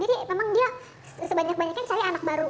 jadi memang dia sebanyak banyaknya saya anak baru